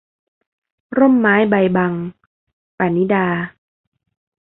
ร่มไม้ใบบัง - ปณิดา